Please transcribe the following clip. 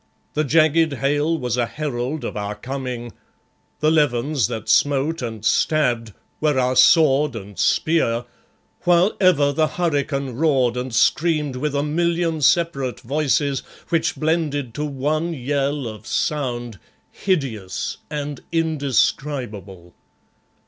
The jagged hail was a herald of our coming; the levens that smote and stabbed were our sword and spear, while ever the hurricane roared and screamed with a million separate voices which blended to one yell of sound, hideous and indescribable.